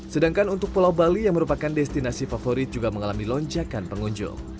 sedangkan untuk pulau bali yang merupakan destinasi favorit juga mengalami lonjakan pengunjung